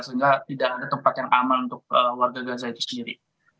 sehingga tidak ada tempat yang aman untuk warga gaza itu sendiri